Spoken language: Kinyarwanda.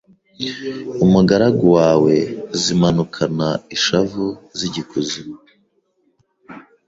umugaragu wawe zimanukana ishavu zijya ikuzimu